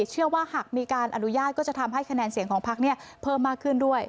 เชื่อว่าหากมีการอนุญาตก็จะทำให้คะแนนเสียงของพักเพิ่มมากขึ้นด้วย